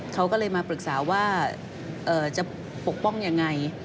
เขาก็เลยมาปรึกษาว่าจะปกป้องยังไง